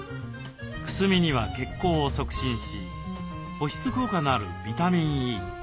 くすみには血行を促進し保湿効果のあるビタミンＥ。